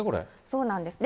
そうなんです。